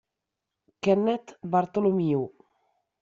Kenneth Bartholomew